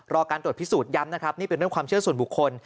การตรวจพิสูจนย้ำนะครับนี่เป็นเรื่องความเชื่อส่วนบุคคล